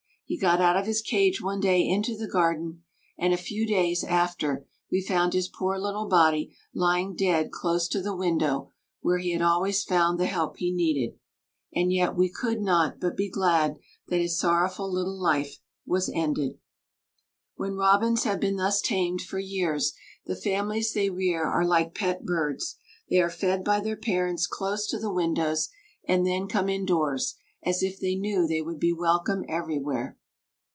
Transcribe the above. He got out of his cage one day into the garden, and a few days after we found his poor little body lying dead close to the window where he had always found the help he needed, and yet we could not but be glad that his sorrowful little life was ended. When robins have been thus tamed for years the families they rear are like pet birds; they are fed by their parents close to the windows, and then come indoors, as if they knew they would be welcome everywhere.